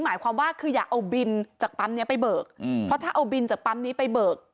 หมายความว่าคืออยากเอาบินจากปั๊มเนี้ยไปเบิกอืมเพราะถ้าเอาบินจากปั๊มนี้ไปเบิก